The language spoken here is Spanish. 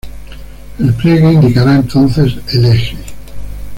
El pliegue indicará entonces el eje.